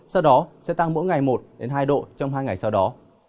sau đó sẽ tăng mỗi ngày một hai độ trong hai ngày sau đó